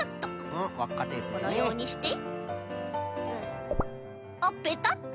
このようにしてあペタッと。